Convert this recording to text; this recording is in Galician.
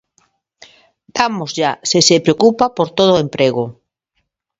Dámoslla se se preocupa por todo o emprego.